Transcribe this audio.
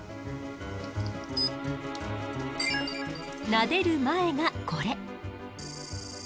なでる前がこれ。